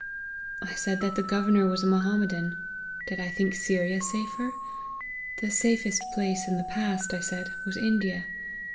I said that the governor was a Mohammedan. ' Did I think Sy ria safer ?'' The safest place in the east,' I said, ' was India.'